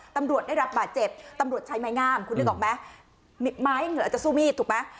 ตำรวจได้รับบาดเจ็บตำรวจใช้ไม้งามคุณนึกออกไหมไม้เหงื่ออาจจะสู้มีดถูกไหม